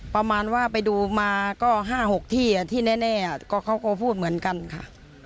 ประมาณว่าไปดูมาก็ห้าหกที่อ่ะที่แน่แน่อ่ะก็เขาก็พูดเหมือนกันค่ะ